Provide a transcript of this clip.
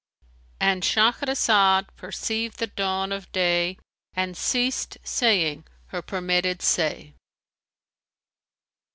"—And Shahrazad perceived the dawn of day and ceased saying her permitted say.